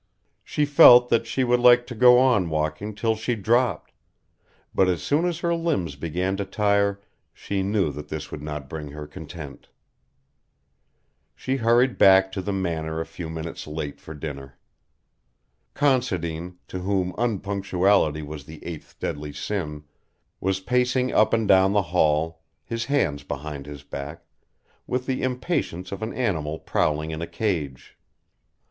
She felt that she would like to go on walking till she dropped, but as soon as her limbs began to tire she knew that this would not bring her content. She hurried back to the Manor a few minutes late for dinner. Considine, to whom unpunctuality was the eighth deadly sin, was pacing up and down the hall, his hands behind his back, with the impatience of an animal prowling in a cage.